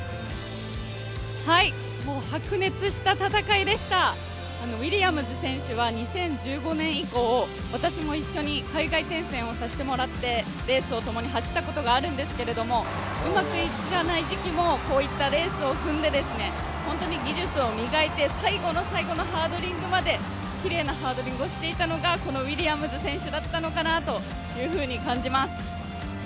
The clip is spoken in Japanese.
白熱した戦いでした、ウィリアムズ選手は２０１５年以降私も一緒に海外転戦をさせてもらってレースを共に走ったことがあるんですけれどもうまくいかない時期もこういったレースを踏んで技術を磨いて最後の最後のハードリングまできれいなハードリングをしていたのがこのウィリアムズ選手だったのかなと感じます。